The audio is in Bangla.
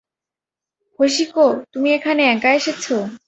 হশিকো, তুমি এখানে একা এসেছ?